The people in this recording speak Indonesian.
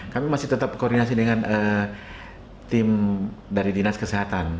kami masih tetap koordinasi dengan tim dari dinas kesehatan